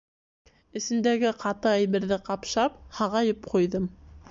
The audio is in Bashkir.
Эсендәге ҡаты әйберҙе ҡапшап, һағайып ҡуйҙым.